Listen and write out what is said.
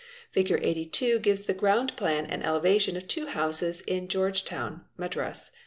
q Figure 82 gives the ground plan and elevation of two houses in George Town, Madras.